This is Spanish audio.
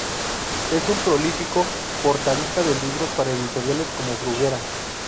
Es un prolífico portadista de libros para editoriales como Bruguera.